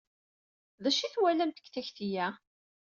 D acu i twalamt deg takti-a?